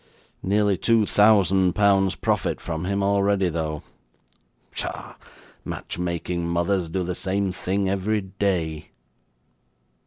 Nearly two thousand pounds profit from him already though. Pshaw! match making mothers do the same thing every day.